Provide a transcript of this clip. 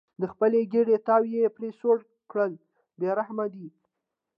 د خپلې ګېډې تاو یې پرې سوړ کړل بې رحمه دي.